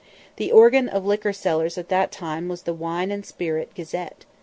The organ of the liquor sellers at that time was the Wine and Spirit Gazette.